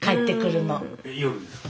夜ですか？